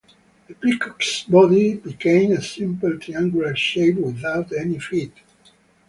The Peacock's body became a simple triangular shape, without any feet.